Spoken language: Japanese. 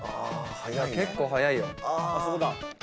結構速いよ。